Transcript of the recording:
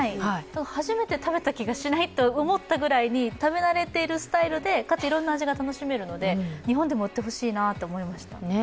初めて食べた気がしないと思ったぐらいに、食べ慣れているスタイルで、かついろんなスタイルが楽しめるので日本でも売ってほしいなと思いました。